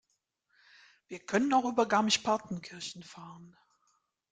Wir können auch über Garmisch-Partenkirchen fahren.